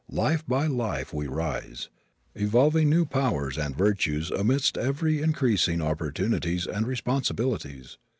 Life by life we rise, evolving new powers and virtues amidst every increasing opportunities and responsibilities.